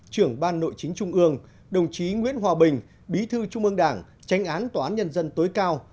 trưởng ban nội chính trung ương đồng chí nguyễn hòa bình bí thư trung ương đảng tránh án tòa án nhân dân tối cao